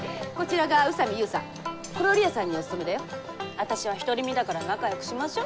あたしは独り身だから仲よくしましょ。